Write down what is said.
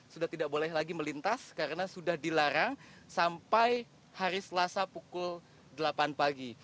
sudah tidak boleh lagi melintas karena sudah dilarang sampai hari selasa pukul delapan pagi